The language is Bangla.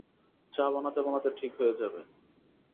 চা বানাতে-বানাতে ঠিক হয়ে যাবে।